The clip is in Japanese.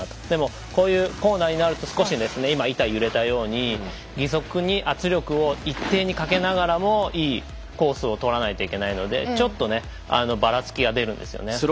でもこういうコーナーになると少し今、板が揺れたように義足に圧力を一定にかけながらもいいコースを取らないといけないのでちょっとねばらつきが出るんですよね。